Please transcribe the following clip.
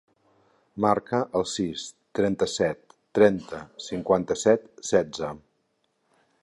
Marca el sis, trenta-set, trenta, cinquanta-set, setze.